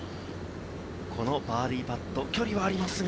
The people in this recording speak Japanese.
このバーディーパット、距離はありますが。